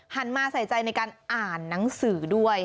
มาใส่ใจในการอ่านหนังสือด้วย